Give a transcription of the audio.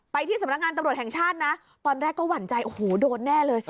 ที่สำนักงานตำรวจแห่งชาตินะตอนแรกก็หวั่นใจโอ้โหโดนแน่เลย